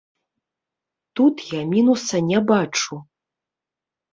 Тут я мінуса не бачу.